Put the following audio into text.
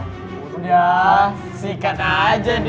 udah sikat aja deh